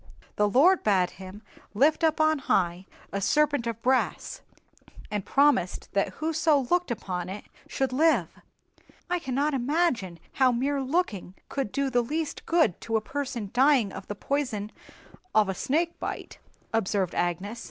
The Lord bade him lift up on high a serpent of brass, and promised that whoso looked upon it should live." "I cannot imagine how mere looking could do the least good to a person dying of the poison of a snake bite," observed Agnes.